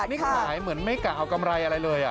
นี่ขายเหมือนไม่กะเอากำไรอะไรเลย